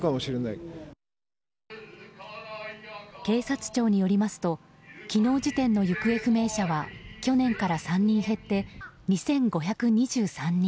警察庁によりますと昨日時点の行方不明者は去年から３人減って２５２３人。